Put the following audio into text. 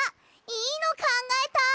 いいのかんがえた！